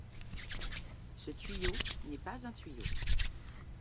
Ce tuyau n’est pas un tuyau.